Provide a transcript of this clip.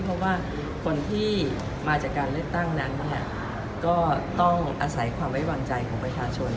เพราะว่าคนที่มาจากการเลือกตั้งนั้นก็ต้องอาศัยความไว้วางใจของประชาชน